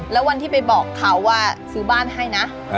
แล้ววันที่ไปบอกเขาว่าซื้อบ้านให้นะ